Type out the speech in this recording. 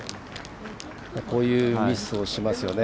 こういうミスをしますよね。